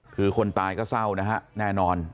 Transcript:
คือคนตายก็เศร้านะฮะแน่นอน